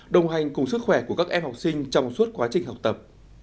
đồng hành cùng sức khỏe của các em học sinh trong suốt quá trình học tập